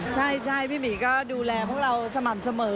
ใช่พี่หมีก็ดูแลพวกเราสม่ำเสมอ